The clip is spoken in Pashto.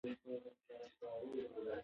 اوړي د افغانستان د صنعت لپاره مواد برابروي.